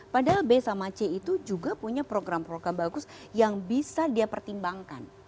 padahal b sama c itu juga punya program program bagus yang bisa dia pertimbangkan